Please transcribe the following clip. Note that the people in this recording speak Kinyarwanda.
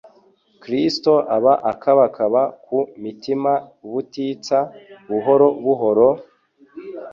Kristo aba akabakaba ku mitima ubutitsa. Buhoro buhoro,